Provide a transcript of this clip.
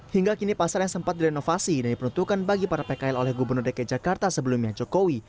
hingga kini pasar yang sempat direnovasi dan diperuntukkan bagi para pkl oleh gubernur dki jakarta sebelumnya jokowi